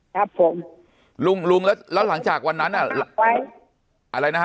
ครับผมลุงลุงแล้วแล้วหลังจากวันนั้นอ่ะไว้อะไรนะฮะ